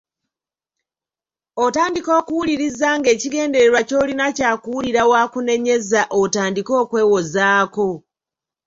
Otandika okuwuliriza ng’ekigendererwa ky’olina kyakuwulira w’akunenyeza otandike okwewozaako.